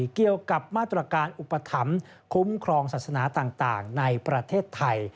เกี่ยวกับมาตรการอุปถัมภ์คุ้มครองศาสนาต่างในประเทศไทย